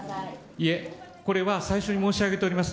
いえ、これは最初に申し上げております。